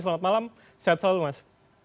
selamat malam sehat selalu mas